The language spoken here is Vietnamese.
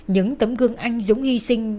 những tấm gương anh dũng hy sinh